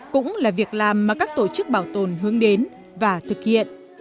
cũng là việc làm mà các tổ chức bảo tồn hướng đến và thực hiện